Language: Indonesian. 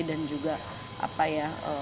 dan juga apa ya